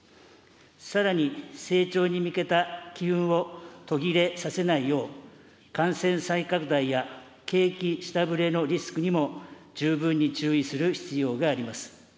さらに成長に向けた機運を途切れさせないよう、感染再拡大や景気下振れのリスクにも、十分に注意する必要があります。